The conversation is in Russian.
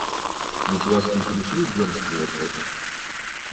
Ведь вас интересует женский вопрос?